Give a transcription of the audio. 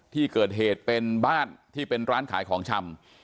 ที่เกิดเหตุเป็นบ้านที่เป็นร้านขายของชำ